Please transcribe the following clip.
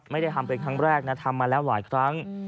ไม่ได้ทำเป็นครั้งแรกนะทำมาแล้วหลายครั้ง